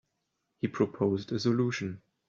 He proposed a solution.